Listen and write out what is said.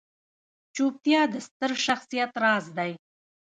چوپتیا، د ستر شخصیت راز دی.